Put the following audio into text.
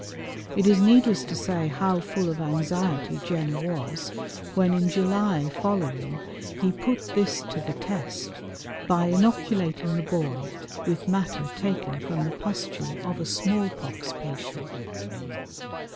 It is needless to say how full of anxiety Jenner was, when in July following he put this to the test by inoculating the boy with matter taken from the pustule of a small pox patient.